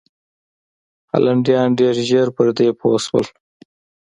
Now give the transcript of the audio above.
هالنډیان ډېر ژر پر دې پوه شول.